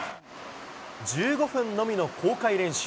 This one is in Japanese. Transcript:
１５分のみの公開練習。